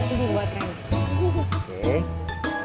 ini buat rena